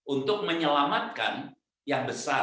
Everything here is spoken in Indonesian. untuk menyelamatkan yang besar